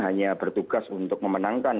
hanya bertugas untuk memenangkan